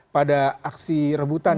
pada aksi rebutan